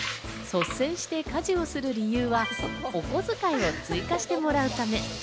率先して家事をする理由はお小遣いを追加してもらうため。